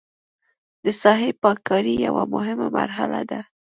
د ساحې پاک کاري یوه مهمه مرحله ده